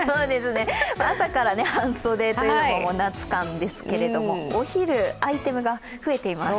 朝から半袖というのも夏感ですけれども、お昼、アイテムが増えています。